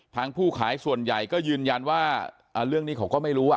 ผู้ขายส่วนใหญ่ก็ยืนยันว่าเรื่องนี้เขาก็ไม่รู้